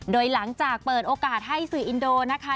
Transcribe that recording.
โดยหลังจากเปิดโอกาสให้สื่ออินโดนะคะ